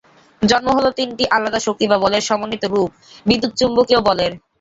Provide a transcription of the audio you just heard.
জন্ম হলো তিনটি আলাদা শক্তি বা বলের সমন্বিত রূপ বিদ্যুৎ–চুম্বকীয় বলের।